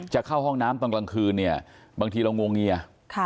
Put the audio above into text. จะเข้าห้องน้ำตอนกลางคืนเนี่ยบางทีเรางวงเงีย